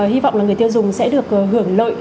hy vọng là người tiêu dùng sẽ được hưởng lợi